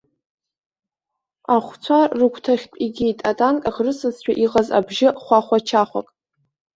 Ахәцәа рыгәҭахьтә игеит, атанк аӷрысызшәа иҟаз бжьы хәахәачахәак.